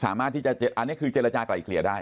อันนี้คือเจรจากลายเคลียดบ้าง